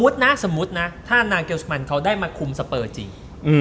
ถ้านากเอัลสมานเขาได้มาคุมสเปอร์จริง